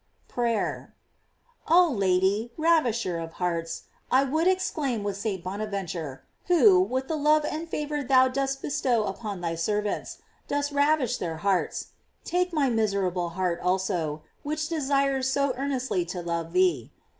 PHASER. Oh Lady, Ravisher of hearts I I would ex claim with St. Boriaventure; who, with the love and favor thou dost bestow upon thy servants, dost ravish their hearts; take my miserable heart also, which desires so earnestly to love thee.